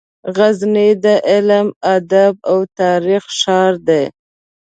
غزني د علم، ادب او تاریخ ښار دی.